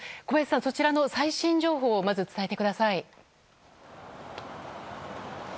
小林さん、そちらの最新情報をまず伝えてください。